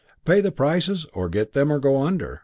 Pay the prices, or get them, or go under.